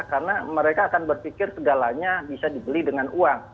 karena mereka akan berpikir segalanya bisa dibeli dengan uang